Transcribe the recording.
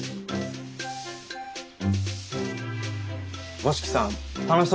五色さん楽しそうだね。